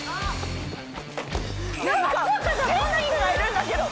何か仙人がいるんだけど！